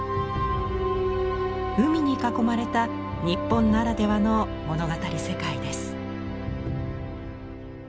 海に囲まれた日本ならではの物語世界です。